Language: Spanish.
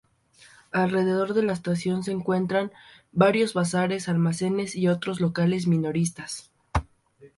Alrededor de la estación se encuentran varios bazares, almacenes y otros locales minoristas.